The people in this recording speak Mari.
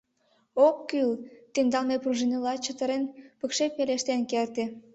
— Ок к-кӱл, — темдалме пружиныла, чытырен, пыкше пелештен керте.